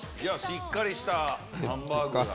しっかりしたハンバーガー。